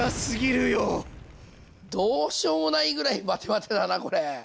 どうしようもないぐらいバテバテだなこれ。